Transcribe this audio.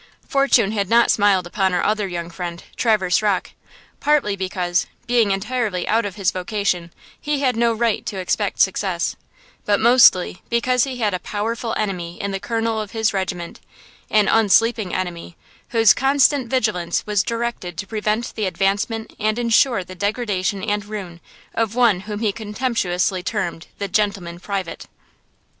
Fortune had not smiled upon our other young friend, Traverse Rocke–partly because, being entirely out of his vocation, he had no right to expect success; but mostly because he had a powerful enemy in the Colonel of his regiment–an unsleeping enemy, whose constant vigilance was directed to prevent the advancement and insure the degradation and ruin of one whom he contemptuously termed the "gentleman private."